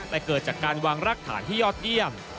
แต่เกิดจากการวางรากฐานที่ยอดเยี่ยม